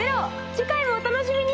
次回もお楽しみに！